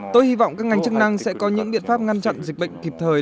tôi hy vọng các ngành chức năng sẽ có những biện pháp ngăn chặn dịch bệnh kịp thời